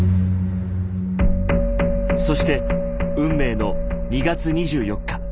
そして運命の２月２４日。